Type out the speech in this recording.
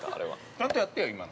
◆ちゃんとやってよ、今。